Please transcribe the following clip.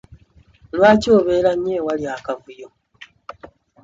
Lwaki obeera nnyo awali akavuyo?